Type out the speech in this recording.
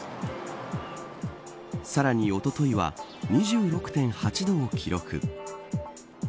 さらにおとといは２６．８度を記録。